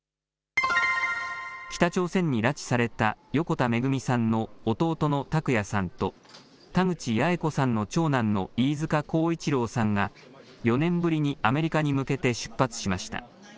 北朝鮮に拉致された横田めぐみさんの弟の拓也さんと田口八重子さんの長男の飯塚耕一郎さんが４年ぶりにアメリカに向けて出発しました。